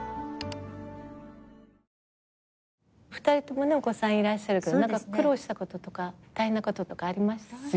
２人ともお子さんいらっしゃるけど苦労したこととか大変なこととかありました